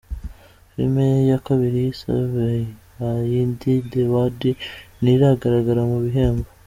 Filime ye ya kabiri yise Bihayindi de Wadi ntiragaragara mu bihembo.